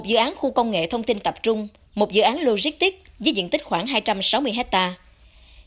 dự án khu công nghệ thông tin tập trung một dự án logistics với diện tích khoảng hai trăm sáu mươi hectare